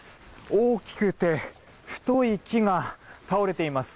大きくて太い木が倒れています。